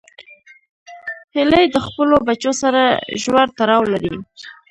هیلۍ د خپلو بچو سره ژور تړاو لري